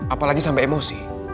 apalagi sampai emosi